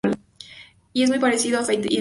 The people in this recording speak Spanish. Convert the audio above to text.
Y es muy parecido a Faith Hill.